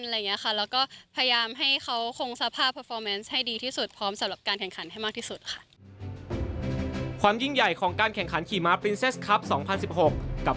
เราก็พยายามให้ผมก้งสภาพ